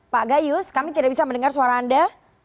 pak gayus kami tidak bisa mendengar suara anda